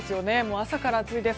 朝から暑いです。